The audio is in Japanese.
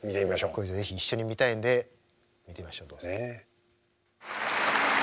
これ是非一緒に見たいんで見てみましょうどうぞ。